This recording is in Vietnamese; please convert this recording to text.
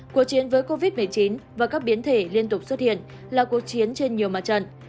cuộc chiến với covid một mươi chín và các biến thể liên tục xuất hiện là cuộc chiến trên nhiều mặt trận